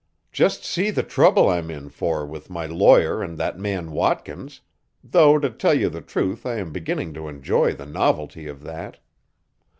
Just see the trouble I'm in for with my lawyer and that man Watkins, though to tell you the truth I am beginning to enjoy the novelty of that."